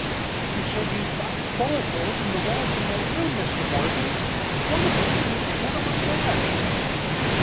I can show you five bullet holes in the walls of my room, Mr. Morgan one of 'em through the head of my bed!"